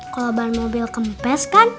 kalau ban mobil kempeskan